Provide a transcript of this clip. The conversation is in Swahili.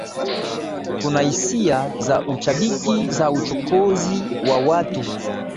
kuna hisia za ushabiki za uchokozi wa watu